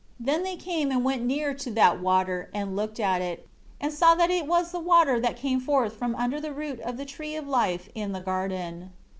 3 Then they came and went near to that water, and looked at it; and saw that it was the water that came forth from under the root of the Tree of Life in the garden.